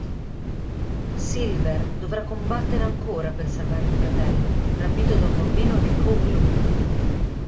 Silver dovrà combattere ancora per salvare il fratello, rapito da un bambino di Kowloon.